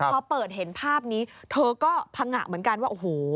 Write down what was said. พอเปิดเห็นภาพนี้เธอก็พังงะเหมือนกันว่าโอ้โห